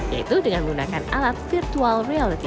yaitu dengan menggunakan alat virtual reality